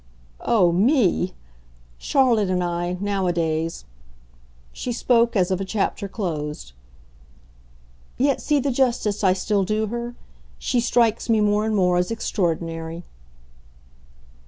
"Oh, 'me'! Charlotte and I, nowadays !" She spoke as of a chapter closed. "Yet see the justice I still do her. She strikes me, more and more, as extraordinary."